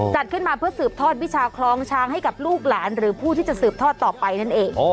จัดขึ้นมาเพื่อสืบทอดวิชาคลองช้างให้กับลูกหลานหรือผู้ที่จะสืบทอดต่อไปนั่นเอง